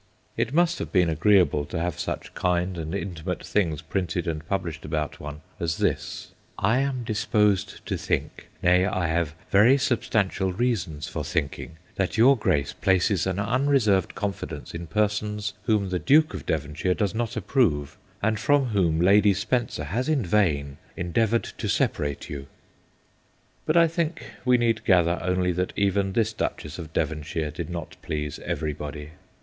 It must have been THE DUCHESS AND DR. JOHNSON 37 agreeable to have such kind and intimate things printed and published about one as this :' I am disposed to think, nay, I have very substantial reasons for thinking, that your Grace places an unreserved confidence in persons whom the Duke of Devonshire does not approve, and from whom Lady Spencer has in vain endeavoured to separate you/ But I think we need gather only that even this Duchess of Devonshire did not please everybody.